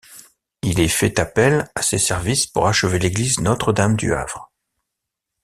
Il est fait appel à ses services pour achever l'église Notre-Dame du Havre.